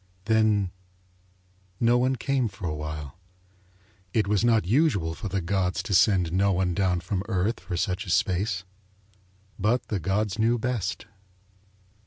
Then no one came for a while. It was not usual for the gods to send no one down from Earth for such a space. But the gods knew best.